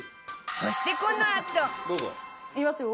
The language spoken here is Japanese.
そしてこのあといきますよ。